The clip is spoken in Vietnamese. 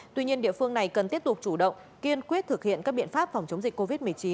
tuy nhiên địa phương này cần tiếp tục chủ động kiên quyết thực hiện các biện pháp phòng chống dịch covid một mươi chín